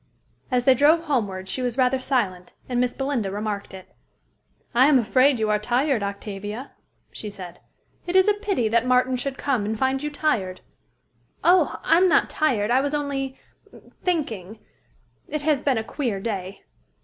As they drove homeward, she was rather silent, and Miss Belinda remarked it. "I am afraid you are tired, Octavia," she said. "It is a pity that Martin should come, and find you tired." "Oh! I'm not tired. I was only thinking. It has been a queer day."